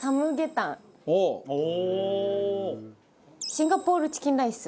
シンガポールチキンライス。